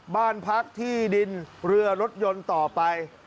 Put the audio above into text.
บ้านพักที่ดินเรือรถยนต์ต่อไป